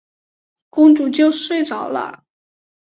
公主就睡着了。